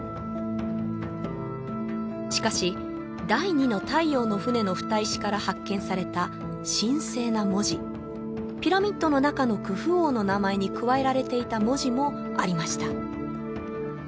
しかし第二の太陽の船の蓋石から発見された神聖な文字ピラミッドの中のクフ王の名前に加えられていた文字もありました